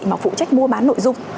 mà phụ trách mua bán nội dung